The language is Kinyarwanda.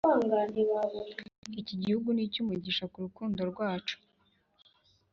iki gihugu n’icyumugisha kurukundo rwacu